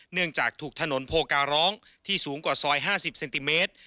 เนื่องจากถูกถนนโพการร้องที่สูงกว่าซอย๕๐เซนติเมตร